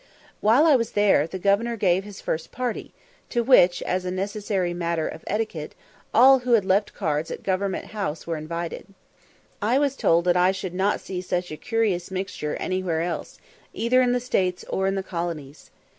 While I was there, the governor gave his first party, to which, as a necessary matter of etiquette, all who had left cards at Government House were invited. I was told that I should not see such a curious mixture anywhere else, either in the States or in the colonies.